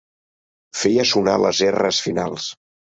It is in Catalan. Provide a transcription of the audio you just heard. Feia sonar les erres finals.